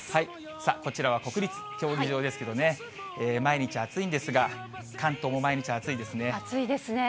さあ、こちらは国立競技場ですけどね、毎日、暑いんですが、関東も毎日暑いですね。